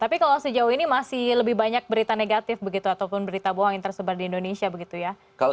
tapi kalau sejauh ini masih lebih banyak berita negatif begitu ataupun berita bohong yang tersebar di indonesia begitu ya